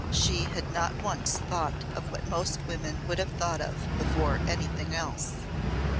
"She had not once thought of what most women would have thought of before anything else.